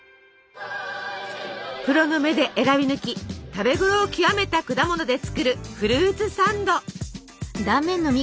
プロの目で選び抜き食べごろを極めた果物で作るフルーツサンド。